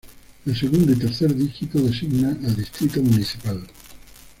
El segundo y tercer dígito designa al distrito municipal.